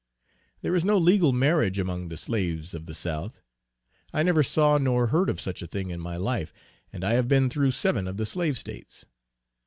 There is no legal marriage among the slaves of the South; I never saw nor heard of such a thing in my life, and I have been through seven of the slave states.